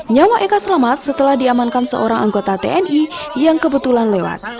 nyawa eka selamat setelah diamankan seorang anggota tni yang kebetulan lewat